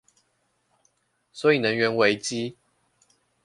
所以能源危機